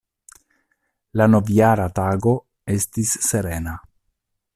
La Novjara Tago estis serena.